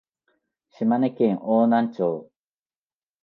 島根県邑南町